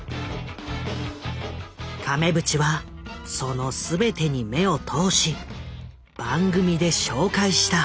亀渕はその全てに目を通し番組で紹介した。